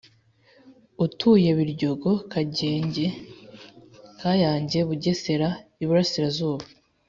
utuye Biryogo Kagenge Mayange Bugesera Iburasirazuba